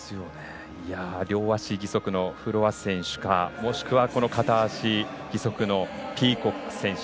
両足義足のフロアス選手かもしくは片足義足のピーコック選手。